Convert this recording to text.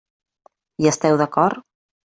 Hi esteu d'acord?